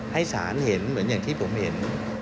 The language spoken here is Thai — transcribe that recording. ให้ศาลเห็นเหมือนอย่างที่ผมเห็น